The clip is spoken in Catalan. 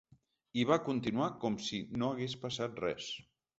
I va continuar com si no hagués passat res.